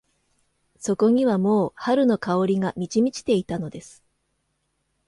そこにはもう春の香りが満ち満ちていたのです。